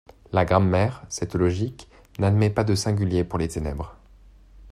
La grammaire, cette logique, n’admet pas de singulier pour les ténèbres.